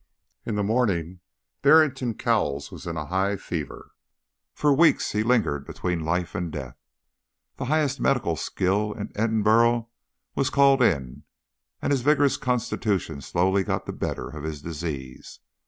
In the morning Barrington Cowles was in a high fever. For weeks he lingered between life and death. The highest medical skill of Edinburgh was called in, and his vigorous constitution slowly got the better of his disease.